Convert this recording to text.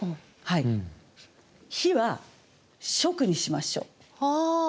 「火」は「燭」にしましょう。